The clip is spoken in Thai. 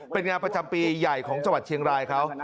เป็นงานประจำปีใหญ่ของจังหวัดเชียงรายเขา